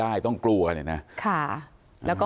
ไม่ตั้งใจครับ